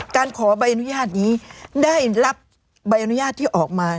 การขอใบอนุญาตนี้ได้รับใบอนุญาตที่ออกมา